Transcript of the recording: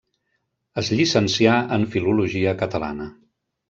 Es llicencià en Filologia Catalana.